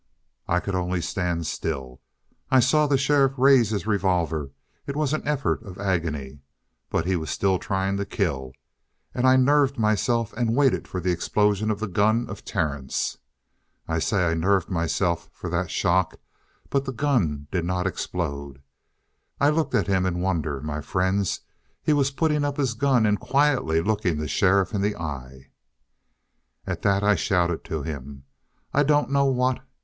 "I could only stand still. I saw the sheriff raise his revolver. It was an effort of agony. But he was still trying to kill. And I nerved myself and waited for the explosion of the gun of Terence. I say I nerved myself for that shock, but the gun did not explode. I looked at him in wonder. My friends, he was putting up his gun and quietly looking the sheriff in the eye! "At that I shouted to him, I don't know what.